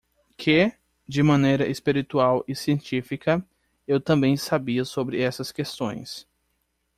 Que, de maneira espiritual e científica, eu também sabia sobre essas questões.